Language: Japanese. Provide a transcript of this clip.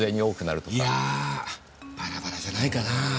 いやあバラバラじゃないかなぁ。